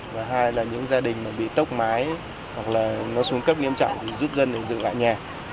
và hai là những gia đình mà bị tốc mái hoặc là nó xuống cấp nghiêm trọng thì giúp dân để giữ lại nhà